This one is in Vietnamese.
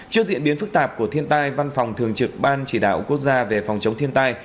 trước diễn biến phức tạp của thiên tai văn phòng thường trực ban chỉ đạo quốc gia về phòng chống thiên tai